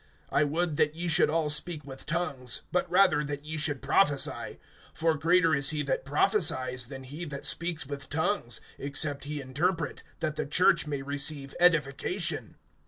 (5)I would that ye should all speak with tongues, but rather that ye should prophesy; for greater is he that prophesies than he that speaks with tongues, except he interpret, that the church may receive edification.